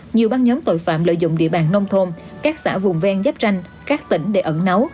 nhiều băng nhóm tội phạm lợi dụng địa bàn nông thôn các xã vùng ven giáp tranh các tỉnh để ẩn nấu